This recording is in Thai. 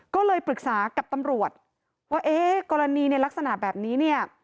ก็เลยปรึกษากับตำรวจว่าเอ๊ะกรณีในลักษณะแบบนี้เนี่ย